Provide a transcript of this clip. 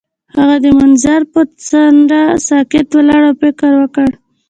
هغه د منظر پر څنډه ساکت ولاړ او فکر وکړ.